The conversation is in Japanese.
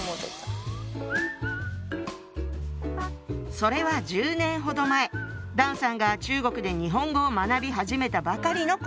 それは１０年ほど前段さんが中国で日本語を学び始めたばかりの頃。